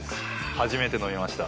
初めて飲みました。